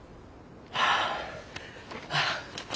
ああ。